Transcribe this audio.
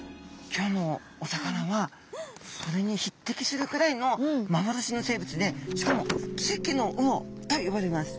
今日のお魚はそれに匹敵するくらいの幻の生物でしかも「奇跡の魚」と呼ばれます。